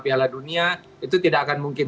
piala dunia itu tidak akan mungkin